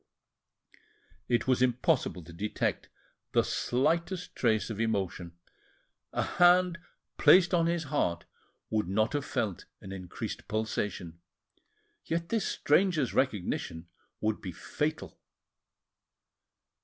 It was impossible to detect the slightest trace of emotion, a hand placed on his heart would not have felt an increased pulsation, yet this stranger's recognition would be fatal!